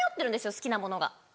好きなものが。